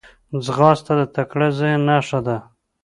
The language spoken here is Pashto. ځغاسته د تکړه ذهن نښه ده